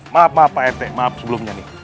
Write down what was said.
maaf maaf pak ete maaf sebelumnya nih